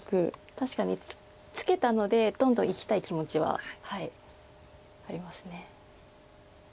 確かにツケたのでどんどんいきたい気持ちはあります。